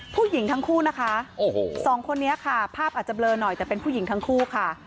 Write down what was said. ผู้หญิงทั้งคู่นะคะโอ้โหสองคนนี้ค่ะภาพอาจจะเบลอหน่อยแต่เป็นผู้หญิงทั้งคู่ค่ะ